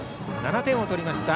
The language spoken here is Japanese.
７点を取りました